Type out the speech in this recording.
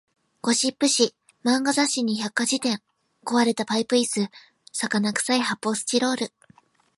ゴシップ誌、漫画雑誌に百科事典、壊れたパイプ椅子、魚臭い発砲スチロール